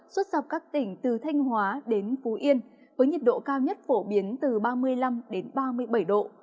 xuất dọc các tỉnh từ thanh hóa đến phú yên với nhiệt độ cao nhất phổ biến từ ba mươi năm ba mươi bảy độ